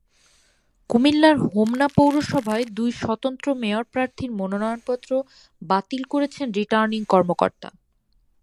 কুমিল্লার হোমনা পৌরসভায় দুই স্বতন্ত্র মেয়র প্রার্থীর মনোনয়নপত্র বাতিল করেছেন রিটার্নিং কর্মকর্তা।